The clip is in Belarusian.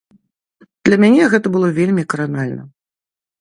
Для мяне гэта было вельмі кранальна.